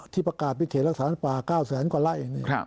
พี่ประกาศมีเขตรักษาภัณฑ์ตัวตัวต้อย๙แสนกว่าไร่